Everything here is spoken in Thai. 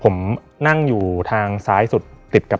มีครับ